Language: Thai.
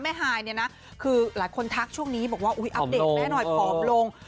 ฮายเนี่ยนะคือหลายคนทักช่วงนี้บอกว่าอัปเดตแม่หน่อยผอมลง